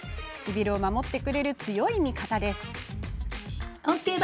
唇を守ってくれる強い味方です。